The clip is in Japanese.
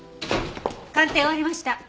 鑑定終わりました。